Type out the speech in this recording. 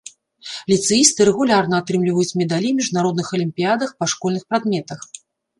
Ліцэісты рэгулярна атрымліваюць медалі міжнародных алімпіядах па школьных прадметах.